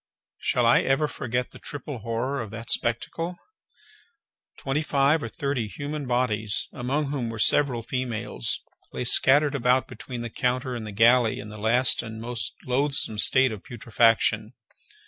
Shall I ever forget the triple horror of that spectacle? Twenty five or thirty human bodies, among whom were several females, lay scattered about between the counter and the galley in the last and most loathsome state of putrefaction.